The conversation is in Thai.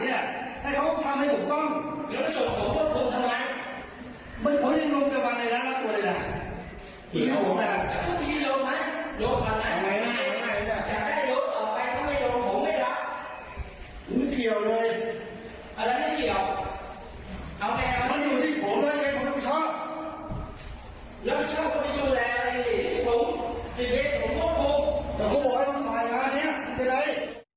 แต่ก็บอกให้มันกลายมานี่มันเป็นไร